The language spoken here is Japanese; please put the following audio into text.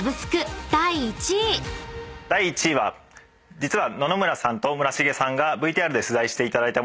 第１位は実は。